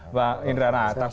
mbak indra natas